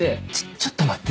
ちょっと待って。